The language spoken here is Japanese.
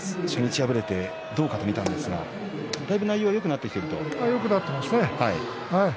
初日敗れてどうかとみたんですがだいぶ内容はよくなっていますね。